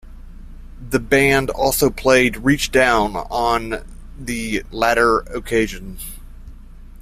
The band also played "Reach Down" on the latter occasion.